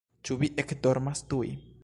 Ĉu vi ekdormas tuj?